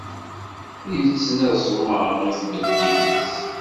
Yettneẓma i tmeddit-is.